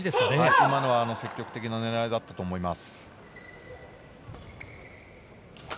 今の積極的な狙いだったと思います。